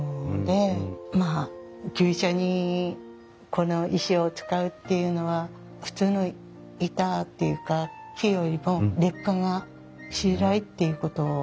まあ牛舎にこの石を使うっていうのは普通の板っていうか木よりも劣化がしづらいっていうことだと思うんですけれども。